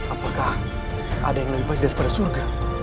apakah ada yang lebih baik daripada surga